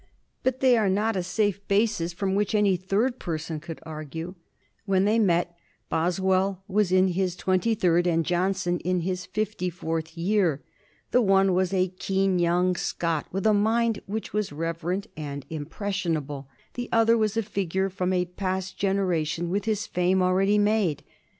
But they are not a safe basis from which any third person could argue. When they met, Boswell was in his twenty third and Johnson in his fifty fourth year. The one was a keen young Scot with a mind which was reverent and impressionable. The other was a figure from a past generation with his fame already made.